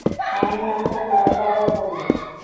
আমি না তো, তোমার বাবা বললো!